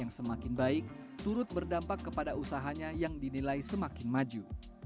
yang semakin baik turut berdampak kepada usahanya yang dinilai semakin maju